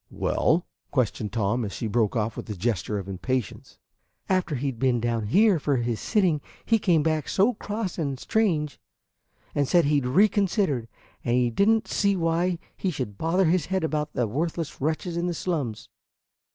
"Well?" questioned Tom, as she broke off with a gesture of impatience. "And after he 'd been down here for his sitting, he came back so cross and strange; and said he'd reconsidered, and he did n't see why he should bother his head about the worthless wretches in the slums.